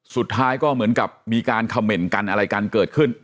สุดท้ายก็เหมือนกับมีการเขม่นกันอะไรกันเกิดขึ้น